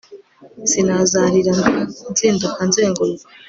sinazarira nzinduka nzenguruka